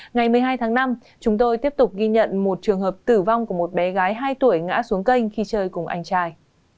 ngày một mươi hai tháng năm chúng tôi tiếp tục ghi nhận một trường hợp tử vong của một bé gái hai tuổi ngã xuống kênh khi chơi cùng anh trai